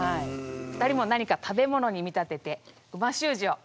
２人も何か食べ物に見立てて美味しゅう字をお願いします。